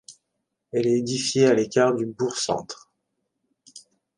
Elle est édifiée à l'écart du bourg centre.